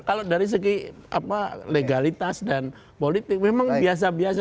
kalau dari segi legalitas dan politik memang biasa biasa